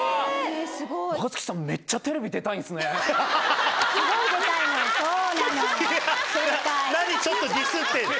若槻さん、めっちゃテレビ出たいんですね。